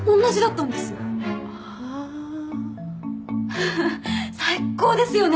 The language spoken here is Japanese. フフ最高ですよね